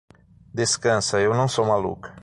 Descansa; eu não sou maluca.